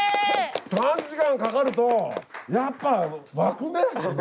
３時間かかるとやっぱ湧くね！